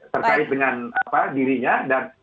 terkait dengan dirinya